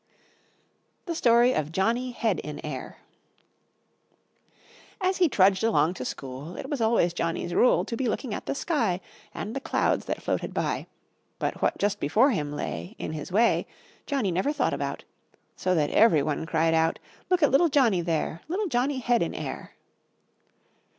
The Story of Johnny Head in Air As he trudged along to school, It was always Johnny's rule To be looking at the sky And the clouds that floated by; But what just before him lay, In his way, Johnny never thought about; So that every one cried out "Look at little Johnny there, Little Johnny Head In Air!"